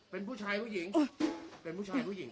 เป็นผู้ชายผู้หญิงเป็นผู้ชายผู้หญิง